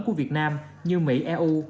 của việt nam như mỹ eu